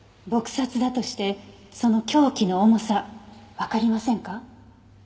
撲殺だとしてその凶器の重さわかりませんか？